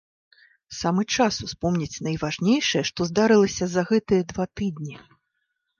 Самы час успомніць найважнейшае, што здарылася за гэтыя два тыдні.